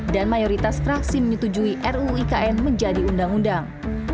dan mayoritas fraksi menyetujui ruu ikn menjadi undang undang